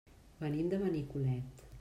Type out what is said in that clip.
Venim de Benicolet.